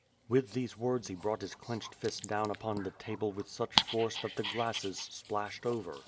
With these words he brought his clenched fist down upon the table with such force that the glasses splashed over.